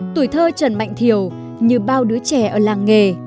tuổi thơ trần mạnh thiểu như bao đứa trẻ ở làng nghề